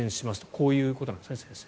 こういうことなんですね、先生。